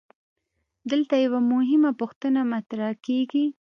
دلته یوه مهمه پوښتنه مطرح کیږي.